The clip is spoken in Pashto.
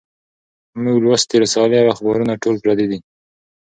مونږ لوستي رسالې او اخبارونه ټول پردي دي